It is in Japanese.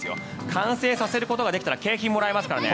完成させることができたら景品がもらえますからね。